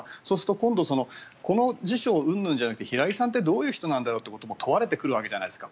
今度このことうんぬんじゃなくて平井さんって人はどういう人なんだろうという問われてくるわけじゃないですか。